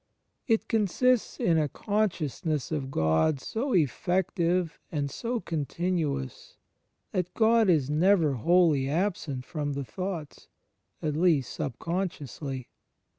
It consists in a consciousness of Gk)d so effective and so continuous that God is never wholly absent from the thoughts, at least subconsciously.